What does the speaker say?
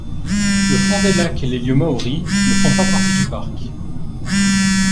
Le fond des lacs et les lieux māori ne font pas partie du parc.